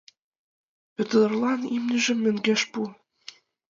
Пӧтырлан имньыжым мӧҥгеш пу!..